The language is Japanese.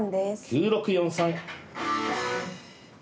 ９６４３。